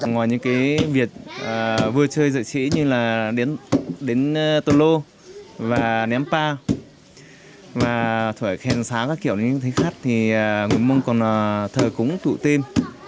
ngoài những việc vừa chơi dạy trí như đến tổ lô và ném bao và thở khen xá các kiểu như thế khác thì người mông còn thở cúng tổ tiên